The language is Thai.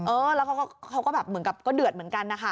เออแล้วเขาก็แบบเหมือนกับก็เดือดเหมือนกันนะคะ